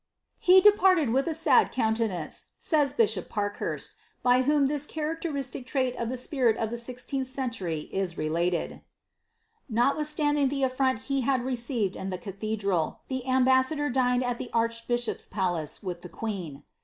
^ He departed with a sad countenance," says i'i>hop Parkhurst, by whom this characteristic trait of the spirit of the »:xieenih century is relatecL^ Xotwiihstanding the afiront he had received in the cathedral, the am ^d»^ador dined at ihe archbishop's palace with the queen.